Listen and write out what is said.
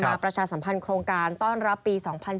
ประชาสัมพันธ์โครงการต้อนรับปี๒๐๑๙